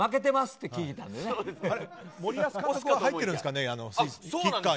森保監督は入ってるんですかね？